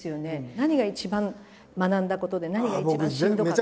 何が一番学んだことで何が一番しんどかった。